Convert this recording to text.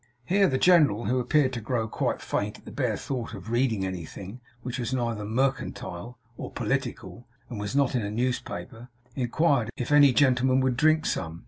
Here the general, who appeared to grow quite faint at the bare thought of reading anything which was neither mercantile nor political, and was not in a newspaper, inquired 'if any gentleman would drink some?